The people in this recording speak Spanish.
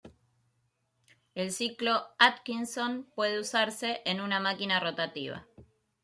El ciclo Atkinson puede usarse en una máquina rotativa.